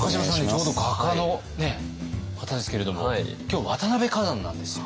ちょうど画家の方ですけれども今日渡辺崋山なんですよ。